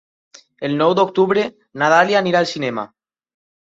El nou d'octubre na Dàlia anirà al cinema.